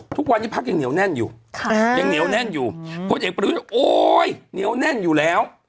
ทุกวันนี้พรรคยังเหนียวแน่นอยู่พลเอกประวิทธิ์บอกโอ๊ยเหนียวแน่นอยู่แล้ว